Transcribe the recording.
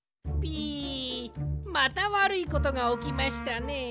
ピまたわるいことがおきましたね。